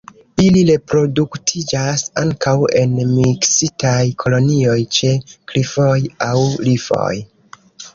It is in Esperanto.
Ili reproduktiĝas ankaŭ en miksitaj kolonioj ĉe klifoj aŭ rifoj.